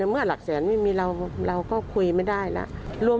เมื่อหลักแสนไม่มีเราก็คุยไม่ได้แล้ว